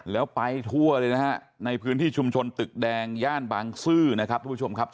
แล้วไปทั่วเลยนะฮะในพื้นที่ชุมชนตึกแดงย่านบางซื่อนะครับทุกผู้ชมครับ